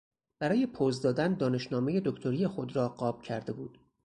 برای پز دادن دانشنامهی دکتری خود را قاب کرده بود.